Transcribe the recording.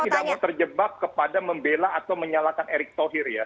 tidak mau terjebak kepada membela atau menyalahkan erick thohir ya